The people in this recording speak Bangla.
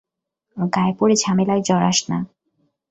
গায়ে পড়ে ঝামেলায় জড়াস না।